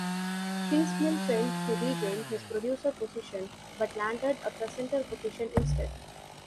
Kingsmill failed to regain his producer position, but landed a presenter position instead.